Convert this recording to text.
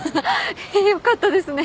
よかったですね。